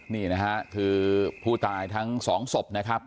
นี่นะฮะคือผู้ตายทั้งสองศพนะครับ